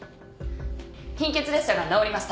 貧血でしたが治りました。